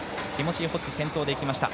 ホッジ、先頭でいきました。